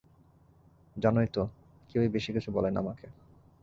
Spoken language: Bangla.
জানোই তো কেউই বেশি কিছু বলে না আমাকে।